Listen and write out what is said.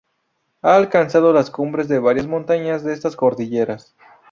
Ha alcanzado las cumbres de varias montañas de estas cordilleras.